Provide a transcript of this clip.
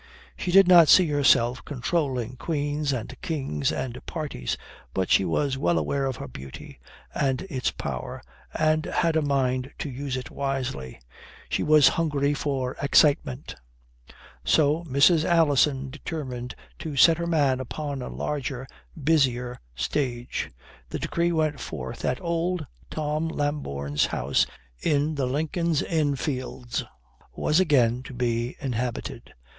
She did not see herself controlling queens and kings and parties, but she was well aware of her beauty and its power, and had a mind to use it widely. She was hungry for excitement. So Mrs. Alison determined to set her man upon a larger, busier stage. The decree went forth that old Tom Lambourne's house in the Lincoln's Inn Fields was again to be inhabited.